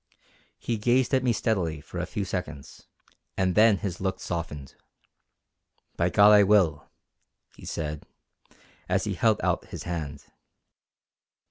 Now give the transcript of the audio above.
He gazed at me steadily for a few seconds, and then his look softened. "By God I will!" he said, as he held out his hand.